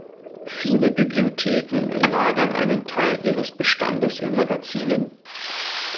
Viele Bibliotheken lagern einen Teil ihres Bestandes in Magazinen.